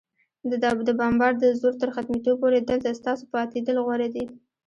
د بمبار د زور تر ختمېدو پورې، دلته ستاسو پاتېدل غوره دي.